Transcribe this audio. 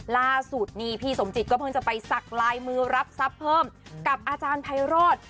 ล่าสุดนี่พี่สมจิตก็เพิ่งจะไปสักลายมือรับทรัพย์เพิ่มกับอาจารย์ไพโรธ